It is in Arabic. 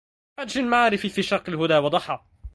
فجر المعارف في شرق الهدى وضحا